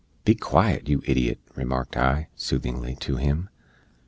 "Be quiet, yoo idiot!" remarked I, soothingly, to him.